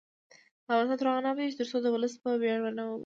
افغانستان تر هغو نه ابادیږي، ترڅو د ولس په ویاړ ونه ویاړو.